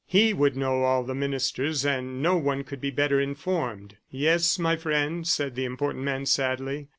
He would know all the ministers; no one could be better informed. "Yes, my friend," said the important man sadly.